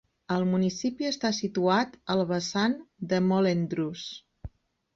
El municipi està situat al vessant de Mollendruz.